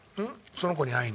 その子に会いに？